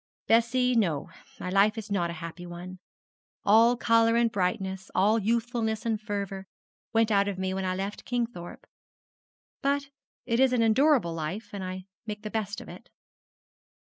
Bessie; no, my life is not a happy one. All colour and brightness, all youthfulness and fervour, went out of me when I left Kingthorpe; but it is an endurable life, and I make the best of it.'